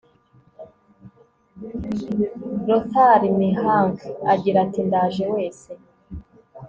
lothar mihank agira ati ndaje wese